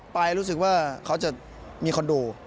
ปลายรู้สึกว่าเขาจะมีคอนโด